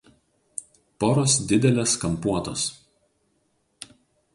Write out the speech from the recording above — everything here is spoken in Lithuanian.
Poros didelės kampuotos.